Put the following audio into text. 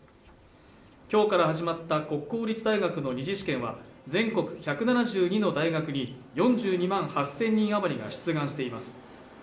今日から始まった国公立大学の２次試験は全国１７２の大学に４２万８０００人余りが出願ています